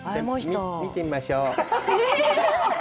見てみましょう。